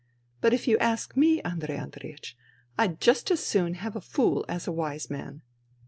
But if you ask me, Andrei Andreiech, I'd just as soon have a fool as a wise man.